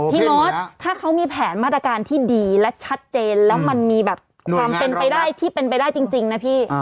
พี่มดถ้าเขามีแผนมาตรการที่ดีและชัดเจนแล้วมันมีแบบความเป็นไปได้ที่เป็นไปได้จริงนะพี่